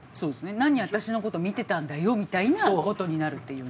何私の事見てたんだよみたいな事になるっていうね。